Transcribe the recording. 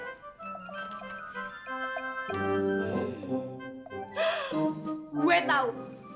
hah gue tau